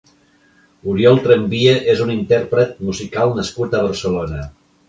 Oriol Tramvia és un intérpret musical nascut a Barcelona.